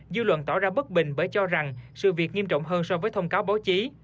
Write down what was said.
dư luận tỏ ra bất bình bởi cho rằng sự việc nghiêm trọng hơn so với thông cáo báo chí